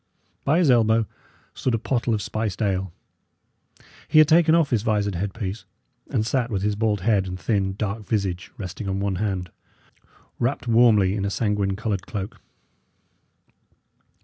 By his elbow stood a pottle of spiced ale. He had taken off his visored headpiece, and sat with his bald head and thin, dark visage resting on one hand, wrapped warmly in a sanguine coloured cloak.